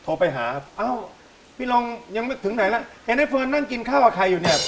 โทรไปหาอ้าวพี่รองยังถึงไหนล่ะเห็นไอ้เฟิร์นนั่นกินข้าวอะใครอยู่เนี่ย